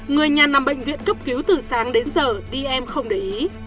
người nhà nằm bệnh viện cấp cứu từ sáng đến giờ đi em không để ý